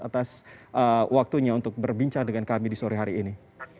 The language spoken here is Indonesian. atas waktunya untuk berbincang dengan kami di sore hari ini